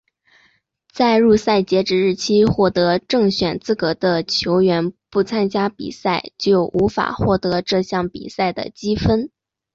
在入赛截止日期获得正选资格的球员不参加比赛就无法获得这项比赛的积分。